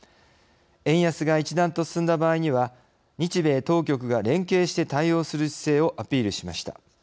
円安が一段と進んだ場合には日米当局が連携して対応する姿勢をアピールしました。